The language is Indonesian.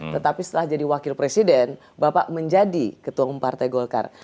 tetapi setelah jadi wakil presiden bapak menjadi ketua umum partai golkar